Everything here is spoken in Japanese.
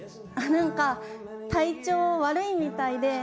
なんか体調悪いみたいで。